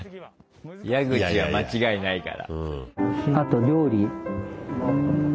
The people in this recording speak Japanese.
ヤグチは間違いないから。